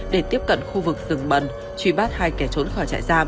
để tiếp cận khu vực rừng mận truy bắt hai kẻ trốn khỏi trại giam